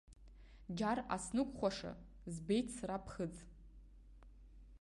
Џьар аснықәхәашо збеит сара ԥхыӡ.